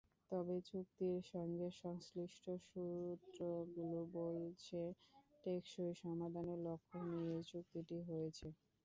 তবে চুক্তির সঙ্গে সংশ্লিষ্ট সূত্রগুলো বলছে, টেকসই সমাধানের লক্ষ্য নিয়েই চুক্তিটি হয়েছে।